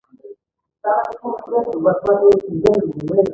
دلته ځايي خلک لکه د نورستان او چترال پر ګلونو مین دي.